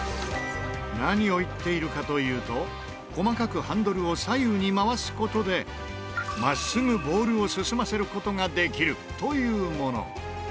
何を言っているかというと細かくハンドルを左右に回す事で真っすぐボールを進ませる事ができるというもの。